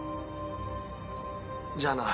じゃあな。